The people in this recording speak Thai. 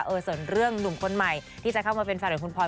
ส่วนเรื่องหนุ่มคนใหม่ที่จะเข้ามาเป็นแฟนกับคุณพลอย